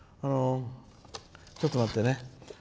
ちょっと待ってね。